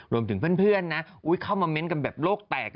รวมถึงเพื่อนนะเข้ามาเม้นต์กันแบบโลกแตก